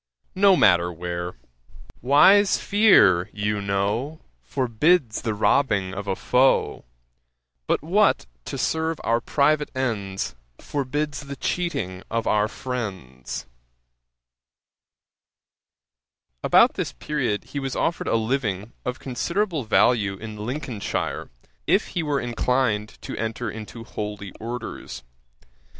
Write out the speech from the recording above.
No matter where; wise fear, you know, Forbids the robbing of a foe; But what, to serve our private ends, Forbids the cheating of our friends?' [Page 320: Johnson refuses a country living. A.D. 1757.] About this period he was offered a living of considerable value in Lincolnshire, if he were inclined to enter into holy orders.